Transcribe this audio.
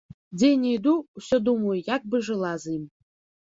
Дзе ні іду, усё думаю, як бы жыла з ім.